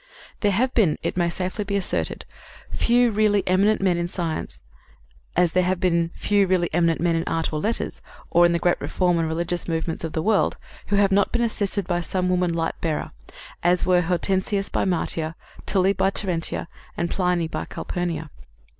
There have been, it may safely be asserted, few really eminent men in science, as there have been few really eminent men in art or letters, or in the great reform and religious movements of the world, who have not been assisted by some woman light bearer, as were Hortensius by Martia, Tully by Terentia and Pliny by Calpurnia.